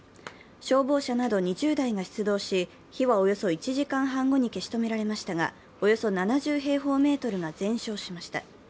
消防車など２０台が出動し火はおよそ１時間半後に消し止められましたがおよそ７０平方メートルが全焼しました。